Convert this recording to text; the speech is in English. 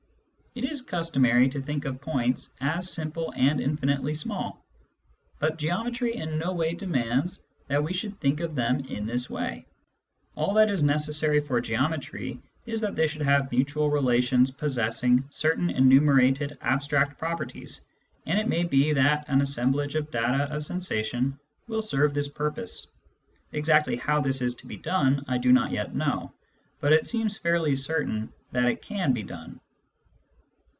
It is customary to think of points as simple and infinitely small, but geometry in no way demands that we should think of them in this way. All that is necessary for geometry is that they should have mutual relations possessing certain enumerated abstract properties, and it may be that an assemblage of data of sensation will serve this purpose. Exactly how this is to be done, I do not yet know, but it seems fairly certain that it can be done.